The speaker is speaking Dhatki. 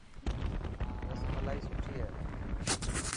رسملا سٺي هي.